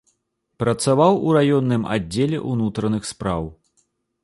Працаваў у раённым аддзеле ўнутраных спраў.